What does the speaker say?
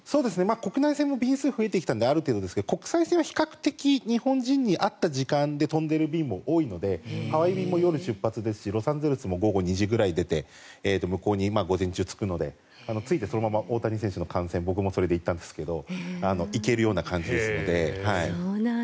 国内線も便数が増えてきたのである程度ですが国際線は比較的日本人に合った時間で飛んでいる便も多いのでハワイ便も夜、出発ですしロサンゼルスも午後２時ぐらいに出て向こうに午前中に着くので着いてそのまま大谷選手の観戦僕もそれで行ったんですが行けるような感じなので。